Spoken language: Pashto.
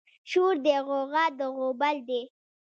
شور دی غوغه ده غوبل دی